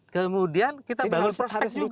kemudian kita bangun prospek juga